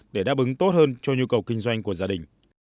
để đáp ứng tốt hơn cho nhu cầu kinh doanh của gia đình